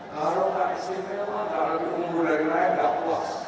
kalau gak disimpil kalau diunggu dari lain gak puas